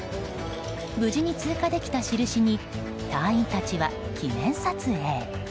無事に通過できたしるしに隊員たちは記念撮影。